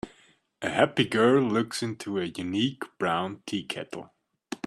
A happy girl looks into a unique, brown tea kettle